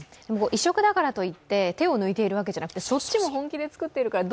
異色だからといって、手を抜いているわけじゃなくて、そっちも本気で作っているから